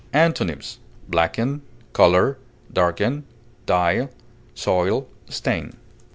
Antonyms: blacken, color, darken, dye, soil, stain.